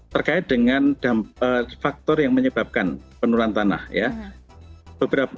terkait dengan faktor yang menyebabkan penurunan tanah ya